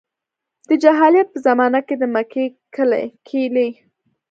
د جاهلیت په زمانه کې د مکې کیلي.